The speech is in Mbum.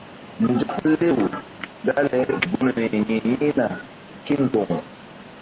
Nzaklew dale gunri yi̧h yi̧hna kémboŋ.